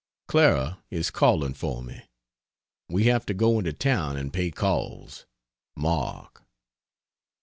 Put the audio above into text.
Clara is calling for me we have to go into town and pay calls. MARK.